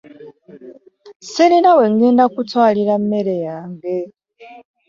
Sirina wengenda kutwalira mmere yange.